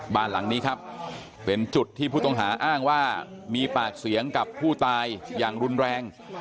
บ้านหลังนี้ครับเป็นจุดที่ผู้ต้องหาอ้างว่ามีปากเสียงกับผู้ตายอย่างรุนแรง